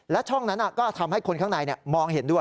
และช่องนั้นก็ทำให้คนข้างในมองเห็นด้วย